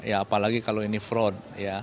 apalagi kalau ini fraud